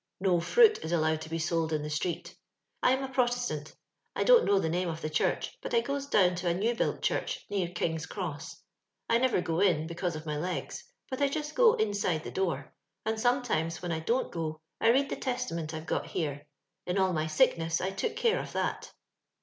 No fhiit is allowed to be sold in the street I am a Protestant. I don't know the name of the church, but I goes down to a new built church, near King's cross. I never go in, because of my legs ; but I just go insido the door ; and sometimes when I don't go, I read the Testament I've got here : in all my sickness I took care of that.